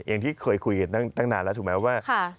อย่างที่เคยคุยตั้งนานแล้วถูกไหมว่า